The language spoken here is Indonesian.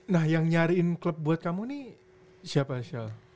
nah yang nyariin klub buat kamu nih siapa chell